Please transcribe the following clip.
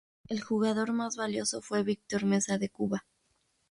El jugador más valioso fue Víctor Mesa de Cuba.